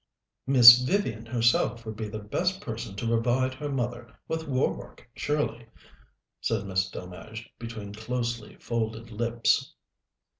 "Miss Vivian herself would be the best person to provide her mother with war work, surely," said Miss Delmege between closely folded lips.